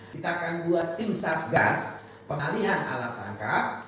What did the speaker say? kita akan buat tim satgas pengalihan alat tangkap